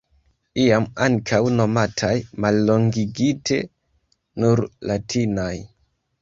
Iam ankaŭ nomataj mallongigite nur "latinaj".